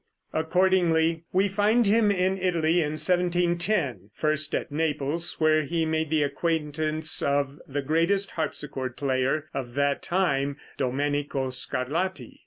] Accordingly we find him in Italy, in 1710, first at Naples, where he made the acquaintance of the greatest harpsichord player of that time, Domenico Scarlatti.